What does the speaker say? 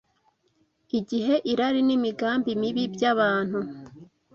Igihe irari n’imigambi mibi by’abantu